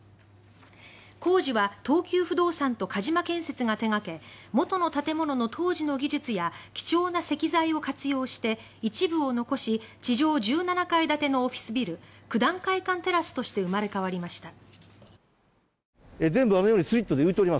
工事は東急不動産と鹿島建設が手掛け元の建物の当時の技術や貴重な石材を活用して一部を残し地上１７階建てのオフィスビル九段会館テラスとして生まれ変わりました。